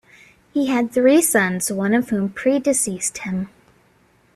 He had three sons, one of whom predeceased him.